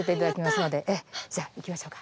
じゃあ行きましょうか。